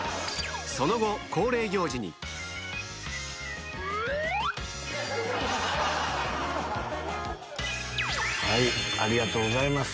その後恒例行事にはいありがとうございます。